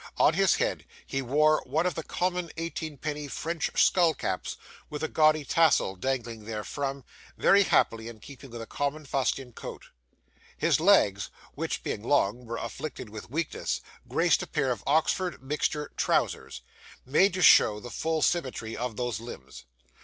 On his head he wore one of the common eighteenpenny French skull caps, with a gaudy tassel dangling therefrom, very happily in keeping with a common fustian coat. His legs, which, being long, were afflicted with weakness, graced a pair of Oxford mixture trousers, made to show the full symmetry of those limbs.